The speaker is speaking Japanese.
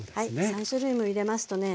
３種類も入れますとね